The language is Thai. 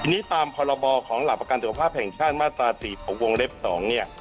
นี้ตามพลของหลักประกันสุขภาพแห่งชาติมาตราสี่หกวงเล็กสองเนี่ย